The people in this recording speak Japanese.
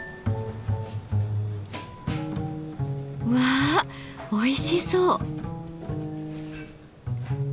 わあおいしそう！